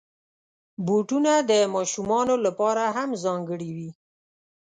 بوټونه د ماشومانو لپاره هم ځانګړي وي.